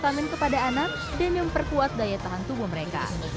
kamin kepada anak dan nyemperkuat daya tahan tubuh mereka